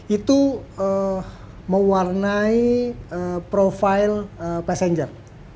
itu mewarnai profil passenger